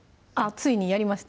ついにやりました？